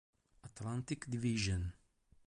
Atlantic Division